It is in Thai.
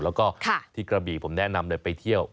แล้วก็ที่กระบีผมแนะนำเลยไปเที่ยว